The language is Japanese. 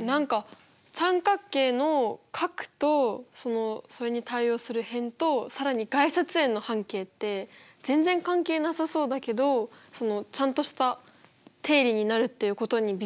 何か三角形の角とそれに対応する辺と更に外接円の半径って全然関係なさそうだけどちゃんとした定理になるっていうことにびっくりしたかな。